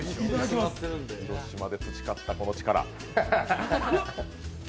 広島で培ったこの力。